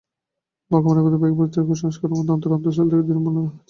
ভগবানের প্রতি ভয়ভক্তিরূপ কুসংস্কার আমাদের অন্তরের অন্তস্তলে দৃঢ়মূল হইয়া আছে।